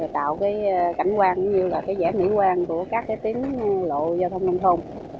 tạo cảnh quang cũng như vẻ mỹ quang của các tín lộ giao thông nông thuân